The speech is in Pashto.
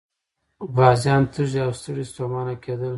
غازيان تږي او ستړي ستومانه کېدل.